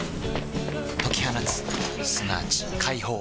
解き放つすなわち解放